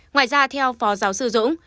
ngoài ra theo phó giáo sư dũng